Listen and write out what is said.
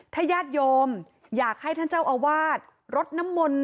ถ้าญาติโยมอยากให้ท่านเจ้าอาวาสรดน้ำมนต์